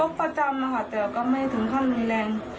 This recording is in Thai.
ก็ประจำค่ะแต่ก็ไม่ถึงขั้นแรง